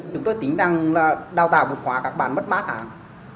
chúng tôi tính đang đào tạo một khóa các bạn mất ba tháng